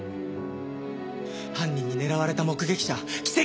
犯人に狙われた目撃者奇跡の生還！